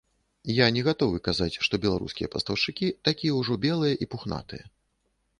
Я не гатовы казаць, што беларускія пастаўшчыкі такія ўжо белыя і пухнатыя.